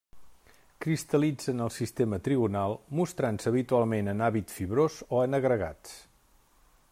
Cristal·litza en el sistema trigonal, mostrant-se habitualment en hàbit fibrós o en agregats.